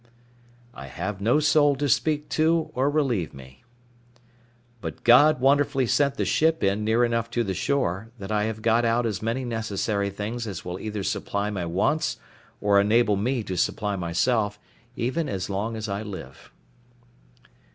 I have no soul to speak to or relieve me. But God wonderfully sent the ship in near enough to the shore, that I have got out as many necessary things as will either supply my wants or enable me to supply myself, even as long as I live.